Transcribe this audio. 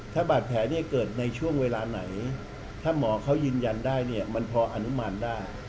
ถ้าบาดแผลเนี่ยเกิดในช่วงเวลาไหนถ้าหมอเขายืนยันได้เนี่ยมันพออนุมานได้